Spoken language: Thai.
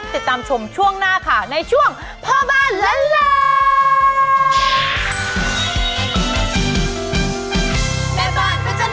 ติดตามชมช่วงหน้าค่ะในช่วงพ่อบ้านล้าน